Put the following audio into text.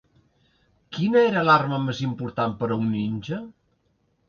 Quina era l'arma més important per a un ninja?